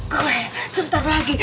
gue sebentar lagi